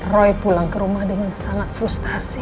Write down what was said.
roy pulang ke rumah dengan sangat frustasi